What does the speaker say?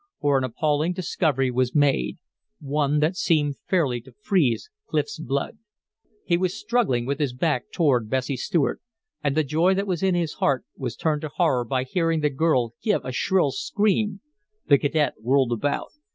For an appalling discovery was made, one that seemed fairly to freeze Clif's blood. He was struggling with his back toward Bessie Stuart. And the joy that was in his heart was turned to horror by hearing the girl give a shrill scream. The cadet whirled about.